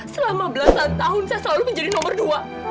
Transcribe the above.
selama belasan tahun saya selalu menjadi nomor dua